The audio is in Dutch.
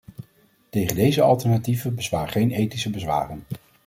Tegen deze alternatieven bestaan geen ethische bezwaren.